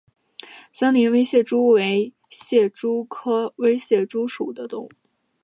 森林微蟹蛛为蟹蛛科微蟹蛛属的动物。